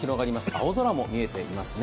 青空も見えていますね。